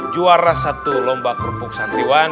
juara satu lomba kerupuk santriwan